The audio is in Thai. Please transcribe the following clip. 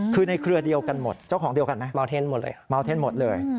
คือในเครือเดียวกันหมดเจ้าของเดียวกันไหมเมาเทนหมดเลยเมาเทนหมดเลย